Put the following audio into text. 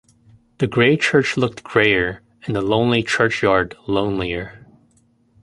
The grey church looked greyer, and the lonely churchyard lonelier.